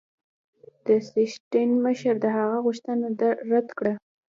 د سټېشن مشر د هغه غوښتنه رد کړه.